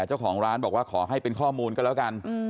เอาละดูข้อมูลก็แล้วกัน